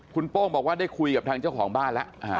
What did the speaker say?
คุณโป้งบอกว่าได้คุยกับทางเจ้าของบ้านแล้ว